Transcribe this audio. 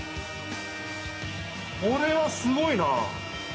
これはすごいな！